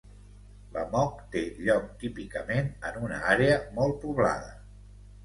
L'amok té lloc típicament en una àrea molt poblada.